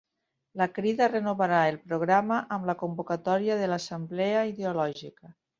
La Crida renovarà el programa amb la convocatòria de l'assemblea ideològica